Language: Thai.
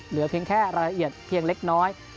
เหลือเพียงแค่รายละเอียดเพียงเล็กน้อย